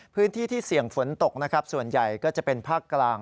พื้นที่ที่เสี่ยงฝนตกนะครับส่วนใหญ่ก็จะเป็นภาคกลาง